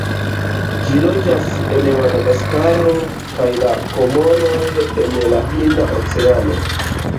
Ĝi loĝas en Madagaskaro kaj la Komoroj en la Hinda Oceano.